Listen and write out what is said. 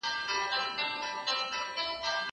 پاکوالی وکړه!